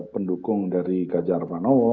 pendukung dari gajah arfanowo